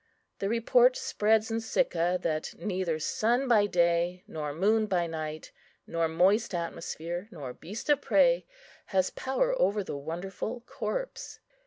The report spreads in Sicca that neither sun by day, nor moon by night, nor moist atmosphere, nor beast of prey, has power over the wonderful corpse.